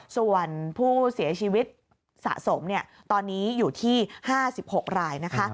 ส่วนผู้เสียชีวิตสะสมตอนนี้อยู่ที่๕๖รายนะคะ